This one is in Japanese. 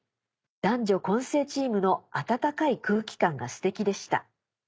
男女混成チームの温かい空気感がステキでした。